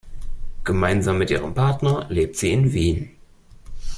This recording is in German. Gemeinsam mit ihrem Partner lebt sie in Wien.